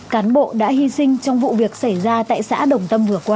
cán bộ đã hy sinh trong vụ việc xảy ra tại xã đồng tâm vừa qua